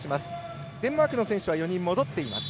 デンマークの選手は４人戻っています。